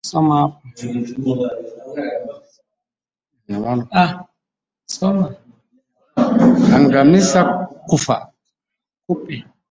Angamiza kupe